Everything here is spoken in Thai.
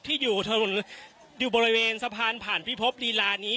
ที่อยู่ถนนอยู่บริเวณสะพานผ่านพิภพลีลานี้